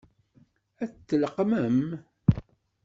Ad t-tleqqmem?